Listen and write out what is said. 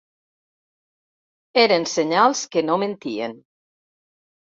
Eren senyals que no mentien.